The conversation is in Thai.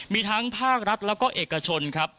มีทั้งภาครัฐแล้วก็เอกชนครับ